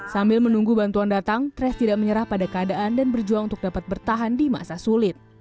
sambil menunggu bantuan datang tres tidak menyerah pada keadaan dan berjuang untuk dapat bertahan di masa sulit